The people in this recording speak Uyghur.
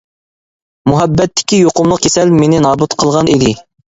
مۇھەببەتتىكى يۇقۇملۇق كېسەل مېنى نابۇت قىلغان ئىدى.